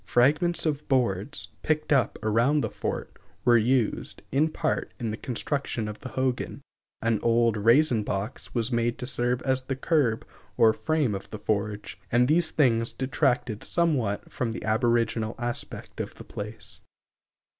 Fragments of boards, picked up around the fort, were used, in part, in the construction of the hogan, an old raisin box was made to serve as the curb or frame of the forge, and these things detracted somewhat from the aboriginal aspect of the place.